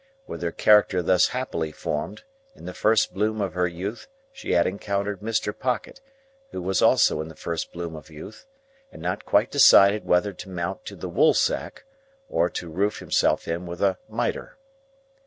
With her character thus happily formed, in the first bloom of her youth she had encountered Mr. Pocket: who was also in the first bloom of youth, and not quite decided whether to mount to the Woolsack, or to roof himself in with a mitre.